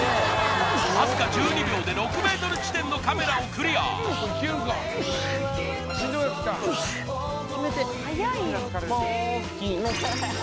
わずか１２秒で６ｍ地点のカメラをクリアうしっまーきの！